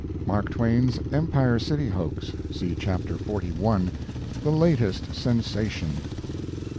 MARK TWAIN'S EMPIRE CITY HOAX (See Chapter xli) THE LATEST SENSATION.